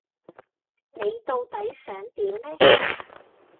你到底想點呢？